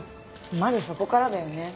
まずそこからだよね。